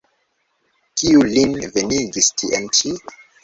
Kiu lin venigis tien ĉi?